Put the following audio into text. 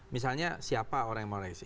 misalnya siapa orang yang mengoreksi